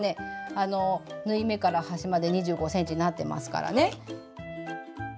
縫い目から端まで２５ｃｍなってますからね。